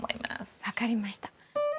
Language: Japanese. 分かりました。